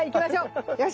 よし！